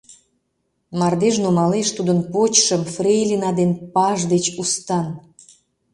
Мардеж нумалеш тудын «почшым» фрейлина ден паж деч устан.